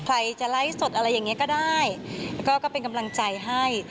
ใครจะไลฟ์สดอะไรอย่างนี้ก็ได้แล้วก็เป็นกำลังใจให้